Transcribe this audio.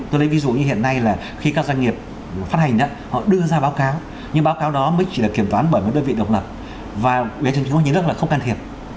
tôi lấy ví dụ như hiện nay là khi các doanh nghiệp phát hành đó họ đưa ra báo cáo nhưng báo cáo đó mới chỉ là kiểm toán bởi những đơn vị độc lập và ubnd là không can thiệp